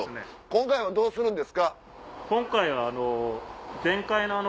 今回はどうするんですか？